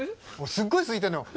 すっごいすいてんのよ。